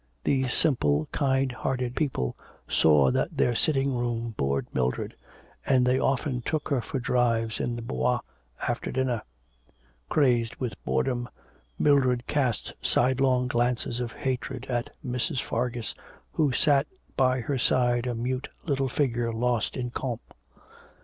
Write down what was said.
These simple kind hearted people saw that their sitting room bored Mildred, and they often took her for drives in the Bois after dinner. Crazed with boredom Mildred cast side long glances of hatred at Mrs. Fargus, who sat by her side a mute little figure lost in Comte. Mr.